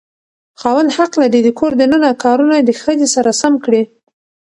خاوند حق لري د کور دننه کارونه د ښځې سره سم کړي.